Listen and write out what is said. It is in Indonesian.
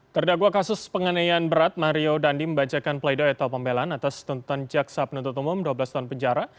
terdakwa kasus penganiayaan berat mario dandi membacakan pleido atau pembelaan atas tuntutan jaksa penuntut umum dua belas tahun penjara